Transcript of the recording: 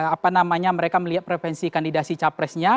apa namanya mereka melihat prevensi kandidasi capresnya